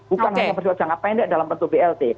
bukan hanya jangka pendek dalam bentuk blt